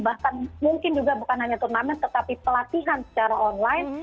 bahkan mungkin juga bukan hanya turnamen tetapi pelatihan secara online